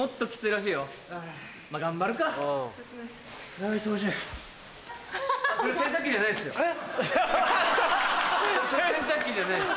洗濯機じゃないです。